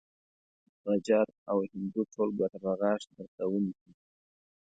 غجر او هندو ټول ګوته په غاښ درته ونيسي.